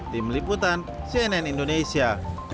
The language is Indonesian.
tim liputan cnn indonesia